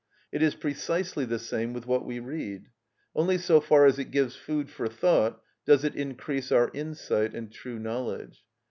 It is precisely the same with what we read. Only so far as it gives food for thought does it increase our insight and true knowledge.